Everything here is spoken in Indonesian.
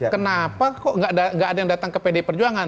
kenapa kok gak ada yang datang ke pdi perjuangan